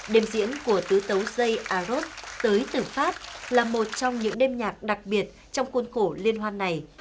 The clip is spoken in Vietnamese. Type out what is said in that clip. đêm diễn của tứ tấu dây arot tới từ pháp là một trong những đêm nhạc đặc biệt trong khuôn khổ liên hoan này